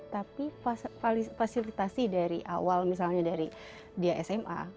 tapi fasilitasi dari awal misalnya dari dia sma